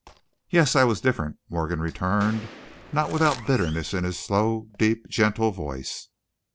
"Yes, I was different," Morgan returned, not without bitterness in his slow, deep, gentle voice.